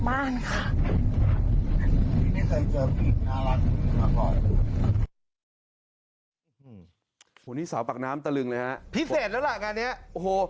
วันนี้สาวปากน้ำตะลึงเลยฮะพิเศษแล้วล่ะงานนี้โอ้โห